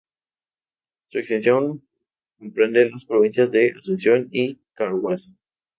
Su extensión comprende las provincias de Asunción y Carhuaz.